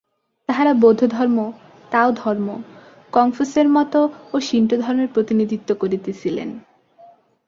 তাঁহারা বৌদ্ধধর্ম, তাও-ধর্ম, কংফুছের মত ও শিণ্টো-ধর্মের প্রতিনিধিত্ব করিতেছিলেন।